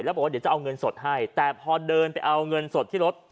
แล้วบอกว่าเดี๋ยวจะเอาเงินสดให้แต่พอเดินไปเอาเงินสดที่รถ